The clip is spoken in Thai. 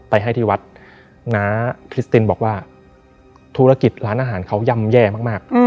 ไปให้ที่วัดน้าคริสตินบอกว่าธุรกิจร้านอาหารเขาย่ำแย่มาก